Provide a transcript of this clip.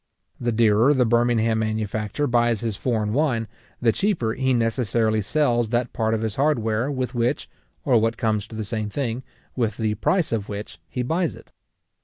The dearer the Birmingham manufacturer buys his foreign wine, the cheaper he necessarily sells that part of his hardware with which, or, what comes to the same thing, with the price of which, he buys it.